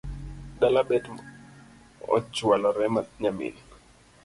Dala bet ochualore nyamin